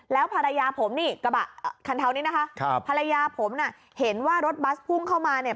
แล้วภรรยาผมนี่กระบะคันเทานี้นะคะครับภรรยาผมน่ะเห็นว่ารถบัสพุ่งเข้ามาเนี่ย